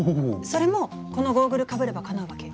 それもこのゴーグルかぶればかなうわけ？